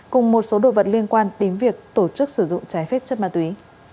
cùng một số đồ vật liên quan đến việc tổ chức sử dụng trái phép chất ma túy